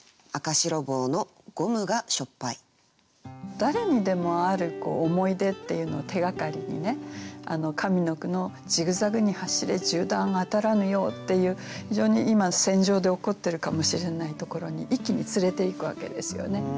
誰にでもある思い出っていうのを手がかりにね上の句の「ジグザグに走れ銃弾当たらぬよう」っていう非常に今戦場で起こってるかもしれないところに一気に連れていくわけですよね。